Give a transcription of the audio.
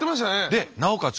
でなおかつ